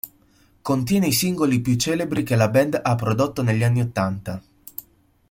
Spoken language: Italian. Contiene i singoli più celebri che la band ha prodotto negli anni ottanta.